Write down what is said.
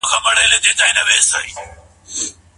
دا سیمه د نورو په پرتله ډېره خوندي ده.